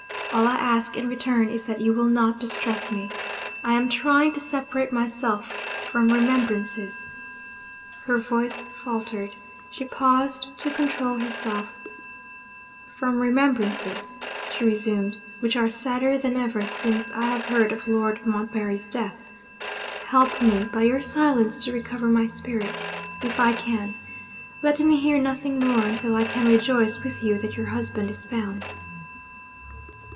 All I ask in return is that you will not distress me. I am trying to separate myself from remembrances ' her voice faltered; she paused to control herself 'from remembrances,' she resumed, 'which are sadder than ever since I have heard of Lord Montbarry's death. Help me by your silence to recover my spirits, if I can. Let me hear nothing more, until I can rejoice with you that your husband is found.'